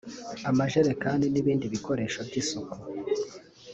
amajerikani n’ibindi bikoresho by’isuku